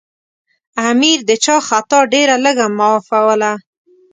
امیر د چا خطا ډېره لږه معافوله.